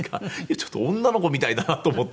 ちょっと女の子みたいだなと思って。